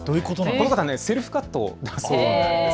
この方、セルフカットなんだそうです。